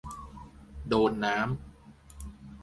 โดนน้ำ